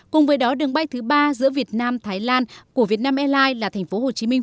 cùng với đó đường bay thứ ba giữa việt nam thái lan của vietnam airlines là thành phố hồ chí minh